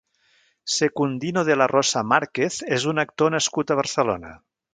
Secundino de la Rosa Márquez és un actor nascut a Barcelona.